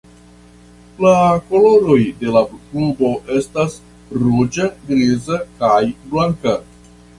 La koloroj de la klubo estas ruĝa, griza, kaj blanka.